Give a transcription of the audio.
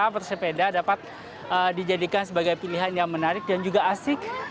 pesepeda dapat dijadikan sebagai pilihan yang menarik dan juga asik